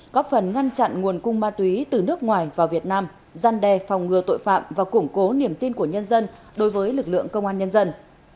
góp phần ngăn chặn nguồn cung ma túy từ nước ngoài vào việt nam gian đe phòng ngừa tội phạm và củng cố niềm tin của nhân dân đối với lực lượng công an nhân dân